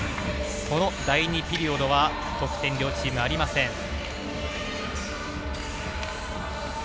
この第２ピリオドは得点、両チームありません。